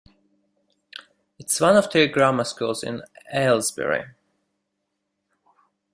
It is one of three Grammar Schools in Aylesbury.